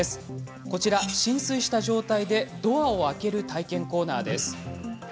こちら、浸水した状態でドアを開ける体験コーナーです。